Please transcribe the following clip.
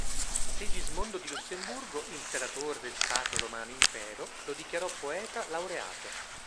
Sigismondo di Lussemburgo, imperatore del Sacro Romano Impero, lo dichiarò "poeta laureato".